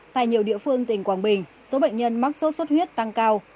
tại nhiều địa phương tỉnh quảng bình số bệnh nhân mắc sốt xuất huyết tăng cao